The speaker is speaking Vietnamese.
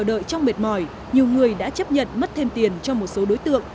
đợi trong mệt mỏi nhiều người đã chấp nhận mất thêm tiền cho một số đối tượng